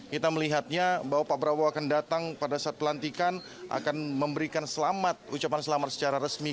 kita melihatnya bahwa pak prabowo akan datang pada saat pelantikan akan memberikan selamat ucapan selamat secara resmi